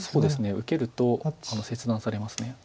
受けると切断されます。